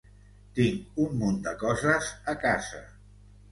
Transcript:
Tinc un munt de coses a casa.